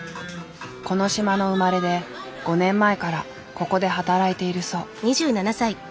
この島の生まれで５年前からここで働いているそう。